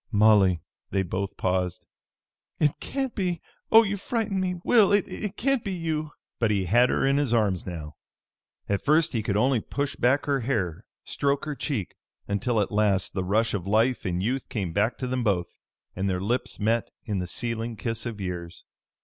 "Molly!" They both paused. "It can't be! Oh, you frightened me, Will! It can't be you!" But he had her in his arms now. At first he could only push back her hair, stroke her cheek, until at last the rush of life and youth came back to them both, and their lips met in the sealing kiss of years.